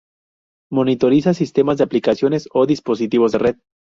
Monitoriza sistemas, aplicaciones o dispositivos de red.